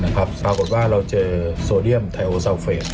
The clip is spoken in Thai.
ปรากฏว่าเราเจอโซเดียมไทโอซาวเฟส